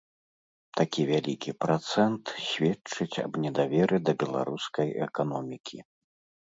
Такі вялікі працэнт сведчыць аб недаверы да беларускай эканомікі.